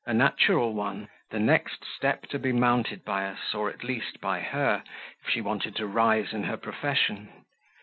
A natural one the next step to be mounted by us, or, at least, by her, if she wanted to rise in her profession.